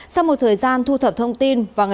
sau một thời gian thu thập thông tin